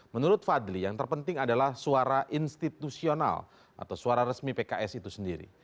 menurut fadli yang terpenting adalah suara institusional atau suara resmi pks itu sendiri